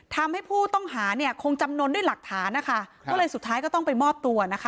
ทำให้ผู้ต้องหาเนี่ยคงจำนวนด้วยหลักฐานนะคะก็เลยสุดท้ายก็ต้องไปมอบตัวนะคะ